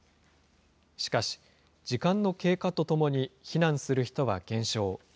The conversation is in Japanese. しかし、時間の経過とともに、避難する人は減少。